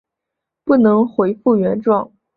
不能回复原状